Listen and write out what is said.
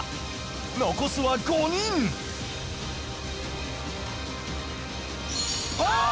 残すは５人あーっ！